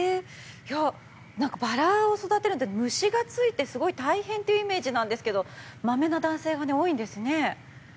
バラを育てると虫がついてすごく大変なイメージですがまめな男性が多いんですね。